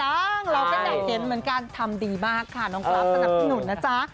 เราก็อยากเห็นเหมือนกันทำดีมากค่ะน้องกราฟสนับสนุนนะจ๊ะ